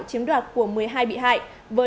chiếm đoạt của một mươi hai bị hại